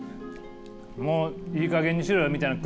もういいかげんにしろよみたいな空気が。